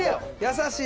優しい。